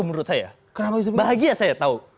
menurut saya kenapa bahagia saya tahu